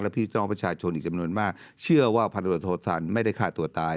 พี่น้องประชาชนอีกจำนวนมากเชื่อว่าพันธบทโทสันไม่ได้ฆ่าตัวตาย